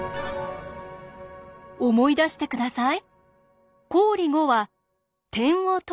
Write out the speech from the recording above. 思い出して下さい。